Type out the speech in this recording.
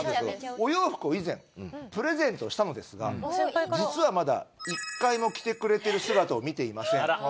「お洋服を以前プレゼントしたのですが実はまだ１回も着てくれてる姿を見ていません」。